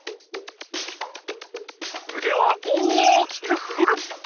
うでは大きくふる。